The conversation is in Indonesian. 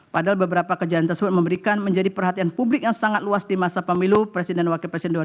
padahal beberapa kejadian tersebut memberikan menjadi perhatian publik yang sangat luas di masa pemilu presiden wakil presiden dura